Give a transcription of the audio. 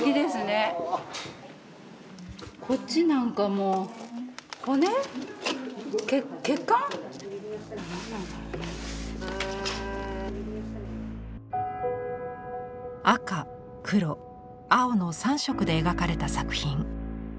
こっちなんかもう赤黒青の３色で描かれた作品。